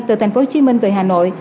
từ tp hcm về hà nội